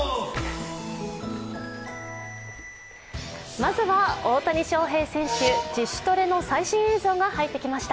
まずは大谷翔平選手自主トレの最新映像が入ってきました。